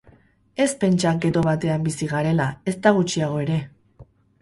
Ez pentsa ghetto batean bizi garela, ezta gutxiago ere.